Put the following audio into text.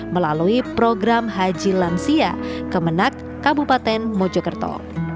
melalui program haji lansia kemenak kabupaten mojokerto